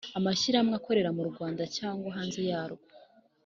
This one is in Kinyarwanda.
Amashyirahamwe akorera mu Rwanda cyangwa hanze yarwo